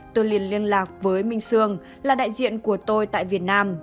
tôi liền liên lạc với minh sương là đại diện của tôi tại việt nam